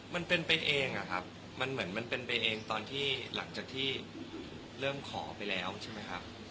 มันเป็นไปเองอะครับมันเหมือนมันเป็นไปเองตอนที่หลังจากที่เริ่มขอไปแล้วใช่ไหมครับ